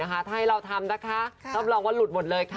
ถ้าให้เราทำนะคะรับรองว่าหลุดหมดเลยค่ะ